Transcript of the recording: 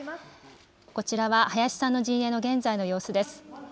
こちらは林さんの陣営の現在の様子です。